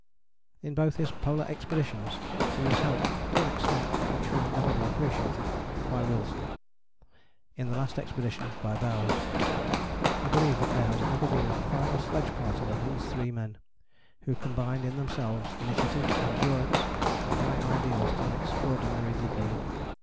In both his polar expeditions he was helped, to an extent which will never be appreciated, by Wilson: in the last expedition by Bowers. I believe that there has never been a finer sledge party than these three men, who combined in themselves initiative, endurance and high ideals to an extraordinary degree.